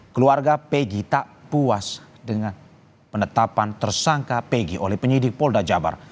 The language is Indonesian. keluarga pegi tak puas dengan penetapan tersangka pegi oleh penyidik polda jabar